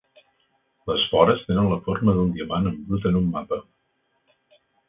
Les vores tenen la forma d'un diamant en brut en un mapa.